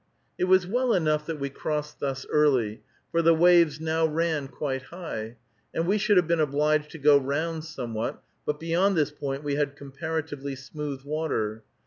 It was well enough that we crossed thus early, for the waves now ran quite high, and we should have been obliged to go round somewhat, but beyond this point we had comparatively smooth water.